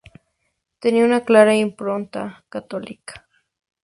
Tenía una clara impronta católica.